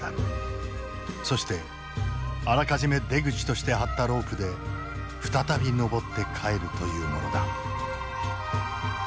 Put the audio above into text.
そしてあらかじめ出口として張ったロープで再び登って帰るというものだ。